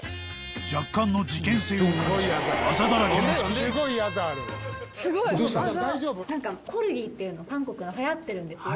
若干の事件性を感じるあざだらけの写真なんかコルギっていうの韓国のはやってるんですよ。